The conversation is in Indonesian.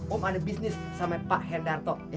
om ada bisnis sama pak hendarto